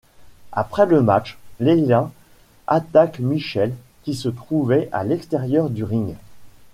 Après le match, Layla attaque Michelle qui se trouvait à l'extérieur du ring.